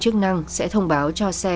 chức năng sẽ thông báo cho xe